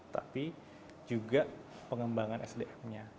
tapi juga pengembangan sdm nya